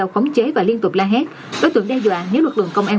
khống chế và liên tục la hét đối tượng đe dọa nếu lực lượng công an